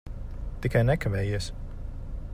Tikai nekavējies.